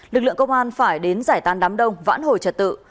lực lượng công an phải đến giải tàn đám đông vãn hồi trật tự